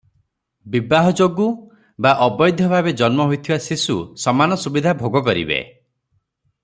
ବିବାହ ଯୋଗୁଁ ବା ଅବୈଧ ଭାବେ ଜନ୍ମ ହୋଇଥିବା ଶିଶୁ ସମାନ ସୁବିଧା ଭୋଗ କରିବେ ।